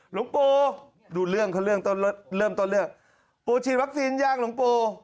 หลวงปู่ดูเรื่องเขาเรื่องต้นเริ่มต้นเรื่องปูฉีดวัคซีนยังหลวงปู่